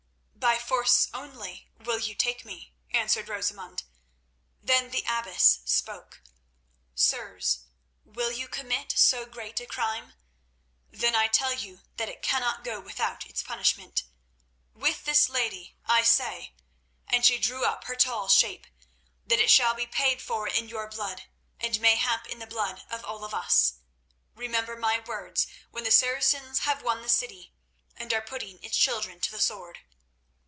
"By force only will you take me," answered Rosamund. Then the abbess spoke. "Sirs, will you commit so great a crime? Then I tell you that it cannot go without its punishment. With this lady I say"—and she drew up her tall shape—"that it shall be paid for in your blood, and mayhap in the blood of all of us. Remember my words when the Saracens have won the city, and are putting its children to the sword."